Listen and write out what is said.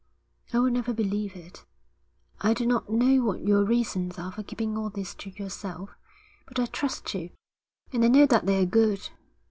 'I will never believe it. I do not know what your reasons are for keeping all this to yourself, but I trust you, and I know that they are good.